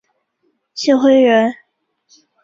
郗恢人。